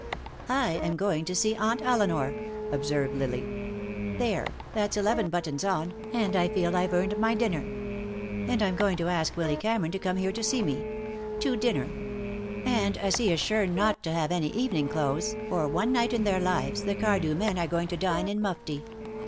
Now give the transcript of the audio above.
"I am going to see Aunt Elinor," observed Lily. "There, that's eleven buttons on, and I feel I've earned my dinner. And I'm going to ask Willy Cameron to come here to see me. To dinner. And as he is sure not to have any evening clothes, for one night in their lives the Cardew men are going to dine in mufti.